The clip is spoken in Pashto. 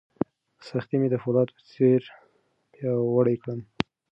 سختۍ مې د فولاد په څېر پیاوړی کړم.